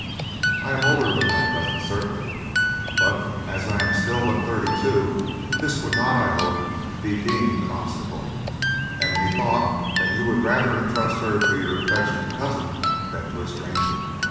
I am older than my cousin certainly; but as I am still but thirty two, this would not, I hope, be deemed an obstacle, and methought that you would rather entrust her to your affectionate cousin than to a stranger.